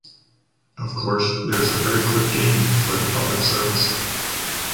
Of course, there’s a very quick gain for the public service.